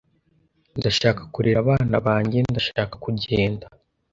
Ndashaka kurera abana banjyeNdashaka kugenda